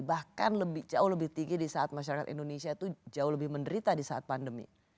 bahkan jauh lebih tinggi di saat masyarakat indonesia itu jauh lebih menderita di saat pandemi